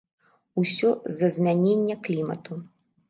Усё з-за змянення клімату.